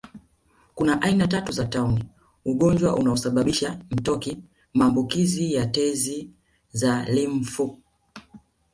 kuna aina tatu za tauni ugonjwa unaosababisha mtoki maambukizi ya tezi za limfu